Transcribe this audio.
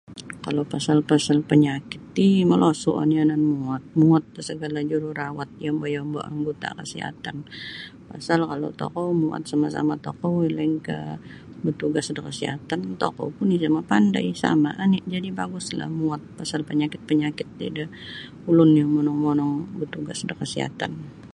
Kalau pasal-pasal panyakit ti molosu' oni' yanan muwot muwot da sagala jururawat yombo'-yombo' anggota kasihatan pasal kalau tokou muwot sama-sama tokou lainkah batugas da kasihatan tokou pun isa mapandai sama oni' jadi' baguslah muwot pasal panyakit-panyakit ti da ulun yang monong-monong batugas da kasihatan.